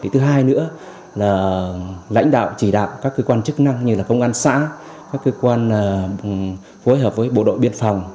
thứ hai nữa là lãnh đạo chỉ đạo các cơ quan chức năng như công an xã các cơ quan phối hợp với bộ đội biên phòng